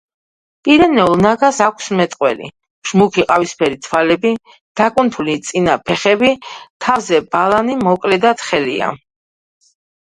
პირენეულ ნაგაზს აქვს მეტყველი, მუქი-ყავისფერი თვალები, დაკუნთული წინა ფეხები, თავზე ბალანი მოკლე და თხელია.